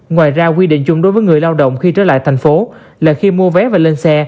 ngoài ra quy định chung đối với người lao động khi trở lại thành phố là khi mua vé và lên xe